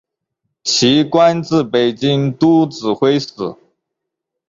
其官至北京都指挥使。